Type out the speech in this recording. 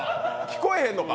聞こえへんのか。